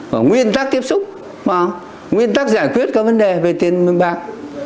và nguyên tắc tiếp xúc nguyên tắc giải quyết các vấn đề về tiền mương bạc